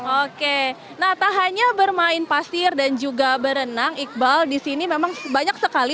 oke nah tak hanya bermain pasir dan juga berenang iqbal di sini memang banyak sekali